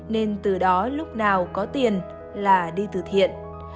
nên từ đó lúc nào có tiền là đi từ thiện